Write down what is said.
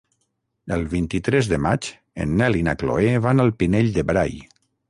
El vint-i-tres de maig en Nel i na Chloé van al Pinell de Brai.